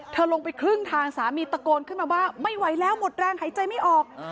ลงไปครึ่งทางสามีตะโกนขึ้นมาว่าไม่ไหวแล้วหมดแรงหายใจไม่ออก